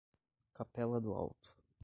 Capela do Alto